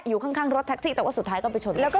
อยู่ข้างรถแท็กซี่แต่ว่าสุดท้ายก็ไปชนแล้วก็